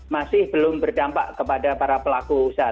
masih belum berdampak kepada para pelaku usaha